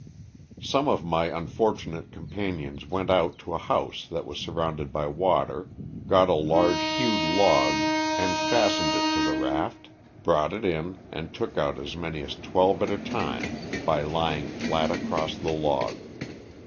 Some of my unfortunate companions went out to a house that was surrounded by water, got a large hewed log and fastened it to the raft, brought it in and took out as many as twelve at a time by lying flat across the log.